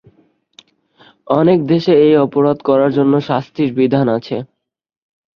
অনেক দেশে এই অপরাধ করার জন্য শাস্তির বিধান আছে।